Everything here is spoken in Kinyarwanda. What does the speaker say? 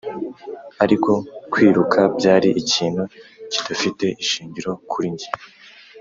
ariko kwiruka byari ikintu kidafite ishingiro kuri njye,